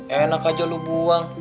enak aja lu buang